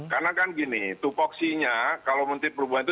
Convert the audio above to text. karena kan gini tupoksinya kalau menteri perhubungan itu